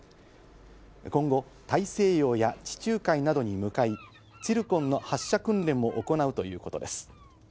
今後、大西洋や地中海などに向かい、ツィルコンの発射訓練も行うということです。